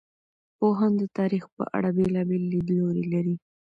پوهان د تاریخ په اړه بېلابېل لیدلوري لري.